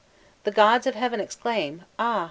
"The gods of heaven exclaim 'Ah!